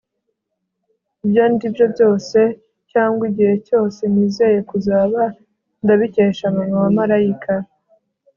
ibyo ndi byo byose cyangwa igihe cyose nizeye kuzaba, ndabikesha mama wa malayika